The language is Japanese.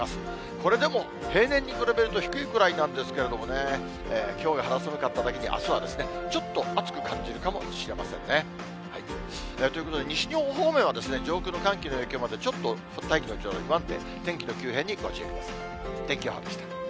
これでも平年に比べると、低いくらいなんですけれどもね、きょうが肌寒かっただけに、あすはちょっと暑く感じるかもしれませんね。ということで、西日本方面は上空の寒気の影響もあって、ちょっと大気の状態が不安定、天気の急変にご注意ください。